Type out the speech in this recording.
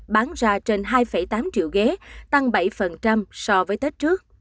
bán ra trên hai tám triệu ghế tăng bảy so với tết trước